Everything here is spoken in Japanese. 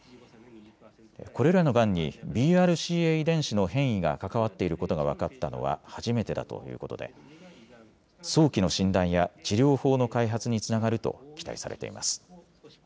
これらのがんにＢＲＣＡ遺伝子の変異が関わっていることが分かったのは初めてだということで早期の診断や治療法の開発につながると期待されています。